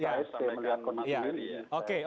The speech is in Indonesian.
saya sampai melihat kondisi ini